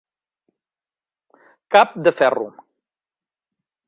Cap de ferro.